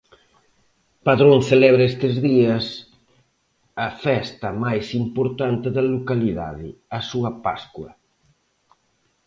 Padrón celebra estes días a festa máis importante da localidade, a súa Pascua.